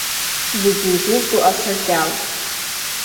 Зегь еизызго асаркьал.